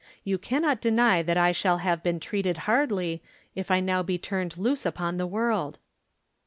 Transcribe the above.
You cannot deny that I shall have been treated hardly if I now be turned loose upon the world.